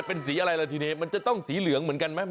เพราะไม่แน่ว่ามันโตไปกว่านี้